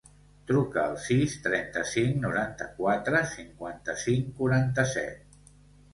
Truca al sis, trenta-cinc, noranta-quatre, cinquanta-cinc, quaranta-set.